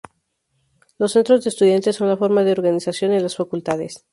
Los Centros de Estudiantes son la forma de organización en las facultades.